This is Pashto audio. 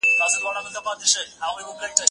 زه پرون د ښوونځی لپاره امادګي نيولی؟